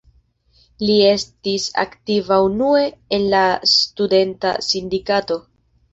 Li estis aktiva unue en la studenta sindikato.